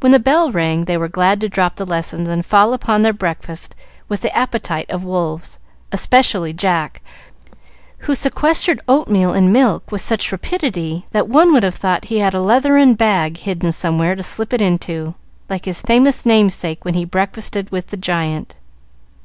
When the bell rang they were glad to drop the lessons and fall upon their breakfast with the appetite of wolves, especially Jack, who sequestered oatmeal and milk with such rapidity that one would have thought he had a leathern bag hidden somewhere to slip it into, like his famous namesake when he breakfasted with the giant.